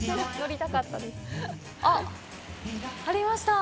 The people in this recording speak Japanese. あっ！ありました。